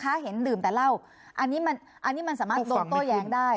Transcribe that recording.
ถ้าเห็นดื่มแต่เหล้าอันนี้มันอันนี้มันสามารถโดนโต้แย้งได้